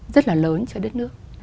rất là lớn cho đất nước